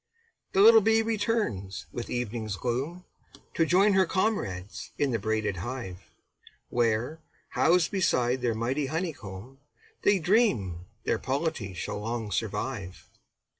The little bee returns with evening's gloom, To join her comrades in the braided hive, Where, housed beside their mighty honeycomb, They dream their polity shall long survive.